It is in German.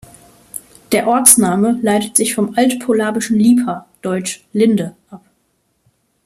Der Ortsname leitet sich vom altpolabischen "lipa", deutsch ‚Linde‘ ab.